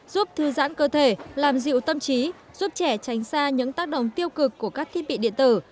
giúp thư giãn cơ thể làm dịu tâm trí giúp trẻ tránh xa những tác động tiêu cực của các thiết bị điện tử